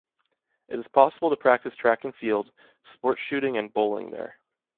It is possible to practice track and field, sport shooting and bowling there.